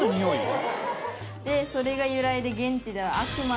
それが由来で現地では糞？